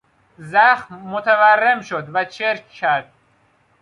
زخم متورم شد و چرک کرد.